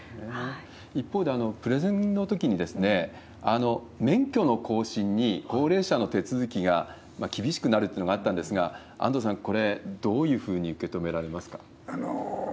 一方で、プレゼンのときに、免許の更新に高齢者の手続きが厳しくなるっていうのがあったんですが、安藤さん、これ、どういうふうに受け止められますか？